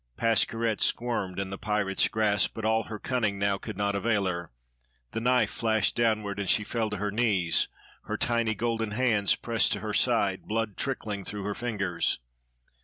Pascherette squirmed in the pirate's grasp, but all her cunning now could not avail her. The knife flashed downward, and she fell to her knees, her tiny golden hands pressed to her side, blood trickling through her fingers.